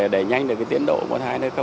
để nhanh được cái tiến độ